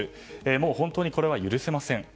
もう本当にこれは許せません。